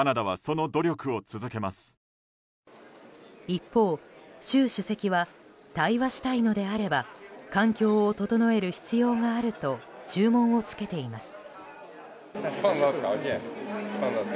一方、習主席は対話したいのであれば環境を整える必要があると注文を付けています。